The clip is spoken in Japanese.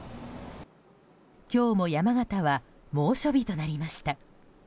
今日も山形は猛暑日となりました。